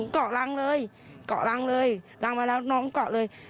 เกาะรังเลยเกาะรังเลยรังมาแล้วน้องเกาะเลย